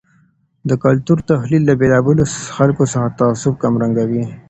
د کلتور تحلیل له بیلابیلو خلګو څخه تعصب کمرنګوي.